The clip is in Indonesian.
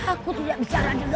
aku tidak bisa raden raden